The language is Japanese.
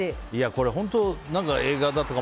これ本当、映画だとか